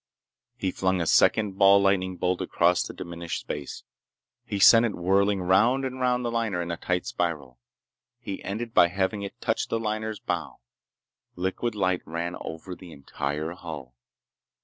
He flung a second ball lightning bolt across the diminished space. He sent it whirling round and round the liner in a tight spiral. He ended by having it touch the liner's bow. Liquid light ran over the entire hull.